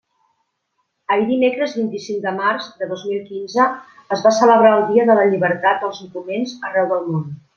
Ahir dimecres vint-i-cinc de març de dos mil quinze es va celebrar el Dia de la Llibertat dels Documents arreu del món.